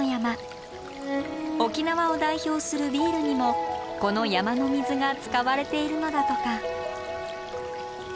沖縄を代表するビールにもこの山の水が使われているのだとか。